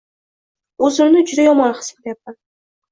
O’zimni juda yomon his qilayapman.